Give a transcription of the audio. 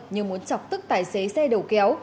nhưng muốn chọc tức tài xế xe đầu kéo